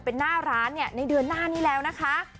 เป็นหน้าร้านเนี่ยในเดือนหน้านี้แล้วนะคะ